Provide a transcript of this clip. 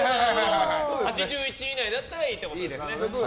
８１以内だったらいいってことですね。